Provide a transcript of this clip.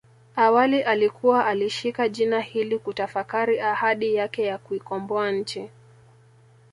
Awali alikuwa alishika jina hili kutafakari ahadi yake ya kuikomboa nchi